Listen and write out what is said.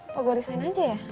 apa gue risain aja ya